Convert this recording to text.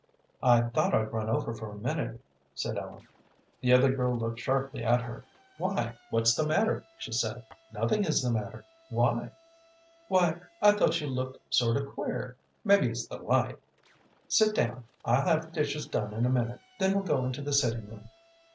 "I thought I'd run over a minute," said Ellen. The other girl looked sharply at her. "Why, what's the matter?" she said. "Nothing is the matter. Why?" "Why, I thought you looked sort of queer. Maybe it's the light. Sit down; I'll have the dishes done in a minute, then we'll go into the sitting room."